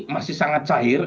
masih sangat cair